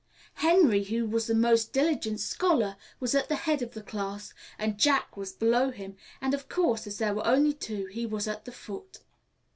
Henry, who was the most diligent scholar, was at the head of the class, and Jack was below him, and, of course, as there were only two, he was at the foot.